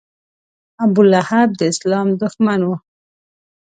ابولهب د اسلام دښمن و.